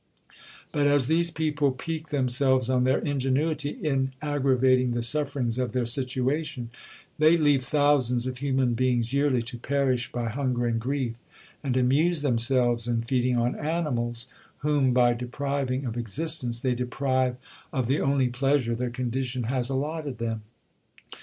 But as these people pique themselves on their ingenuity in aggravating the sufferings of their situation, they leave thousands of human beings yearly to perish by hunger and grief, and amuse themselves in feeding on animals, whom, by depriving of existence, they deprive of the only pleasure their condition has allotted them.